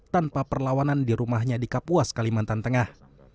tanpa perlawanan di rumahnya di kapuas kalimantan tengah